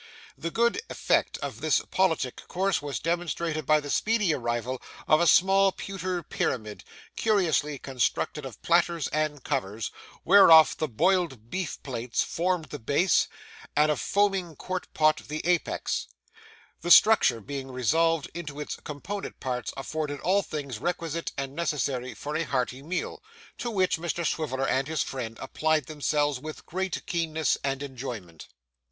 The good effect of this politic course was demonstrated by the speedy arrival of a small pewter pyramid, curiously constructed of platters and covers, whereof the boiled beef plates formed the base, and a foaming quart pot the apex; the structure being resolved into its component parts afforded all things requisite and necessary for a hearty meal, to which Mr Swiveller and his friend applied themselves with great keenness and enjoyment.